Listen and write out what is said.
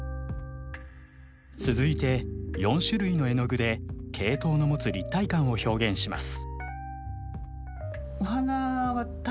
続いて４種類の絵の具でケイトウの持つ立体感を表現します。